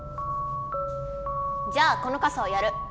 じゃあこのかさをやる。